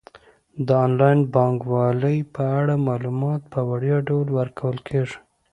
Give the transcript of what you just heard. د انلاین بانکوالۍ په اړه معلومات په وړیا ډول ورکول کیږي.